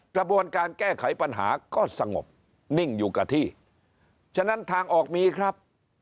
กระบวนการแก้ไขปัญหาก็สงบนิ่งอยู่กับที่ฉะนั้นทางออกมีครับ